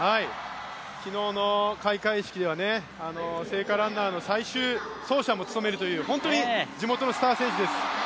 昨日の開会式では聖火ランナーの最終走者も務めるという本当に地元のスター選手です。